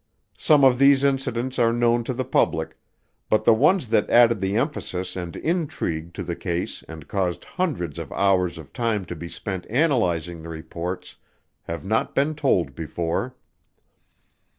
Some of these incidents are known to the public, but the ones that added the emphasis and intrigue to the case and caused hundreds of hours of time to be spent analyzing the reports have not been told before.